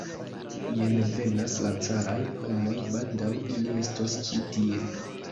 Jen venas la caraj homoj, baldaŭ ili estos ĉi tie.